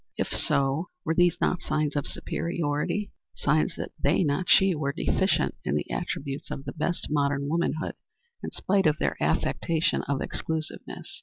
If so, were these not signs of superiority; signs that they, not she, were deficient in the attributes of the best modern womanhood in spite of their affectation of exclusiveness?